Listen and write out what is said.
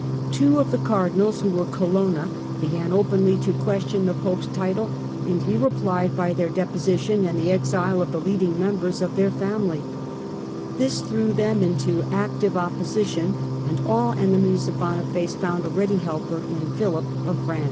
Two of the Cardinals who were Colonna, began openly to question the Pope's title, and he replied by their deposition and the exile of the leading members of their family ; this threw them in to active opposition, and all enemies of Boniface found a ready helper in Philip of France.